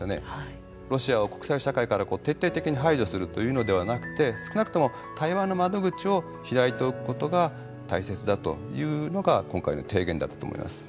ロシアを国際社会から徹底的に排除するというのでなくて少なくとも対話の窓口を開いておくことが大切だというのが今回の提言だったと思います。